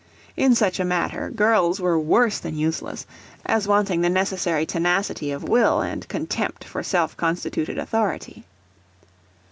In such a matter, girls were worse than useless, as wanting the necessary tenacity of will and contempt for self constituted authority.